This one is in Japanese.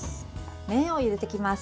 麺をゆでていきます。